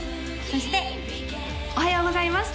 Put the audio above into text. そしておはようございます